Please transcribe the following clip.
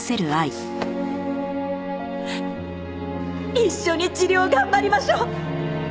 一緒に治療頑張りましょう！